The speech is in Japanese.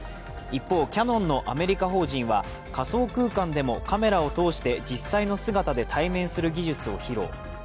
一方、キヤノンのアメリカ法人は仮想空間でもカメラを通して実際の姿で対面する技術を披露。